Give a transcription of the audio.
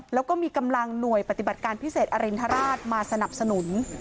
แล้วก็มีกำลังหน่วยปฏิบัติการพิเศษอรินทราชมาสนับสนุน